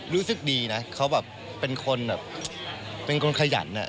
รู้สึกดีนะเขาแบบเป็นคนแบบเป็นคนขยัน